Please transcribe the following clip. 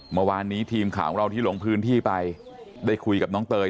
เมื่อวานนี้ทีมข่าวของเราที่ลงพื้นที่ไปได้คุยกับน้องเตย